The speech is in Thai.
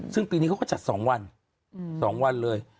ซึ่งปีนี้เขาเขาจัดสองวันสองวันเลย